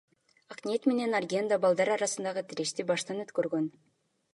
Акниет менен Арген да балдар арасындагы тирешти баштан өткөргөн.